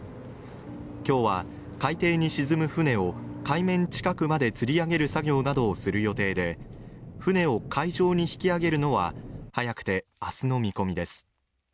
今日は海底に沈む船を海面近くまでつり上げる作業などをする予定で船を海上に引き揚げるのは早くて、明日の見込みです。